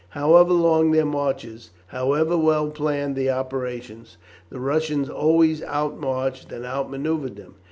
However long their marches, however well planned the operations, the Russians always out marched and out manoeuvred them.